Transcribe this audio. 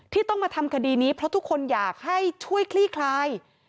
ที่ต้องมาทำคดีนี้เพราะทุกคนอยากให้ช่วยคลี่คลาย